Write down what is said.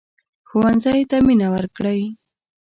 ښوونځی ته مينه ورکړئ